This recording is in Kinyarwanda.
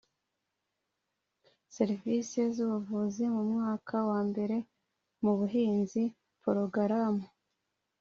serivisi z ubuvuzi mu mwaka wa mbere Mu buhinzi porogaramu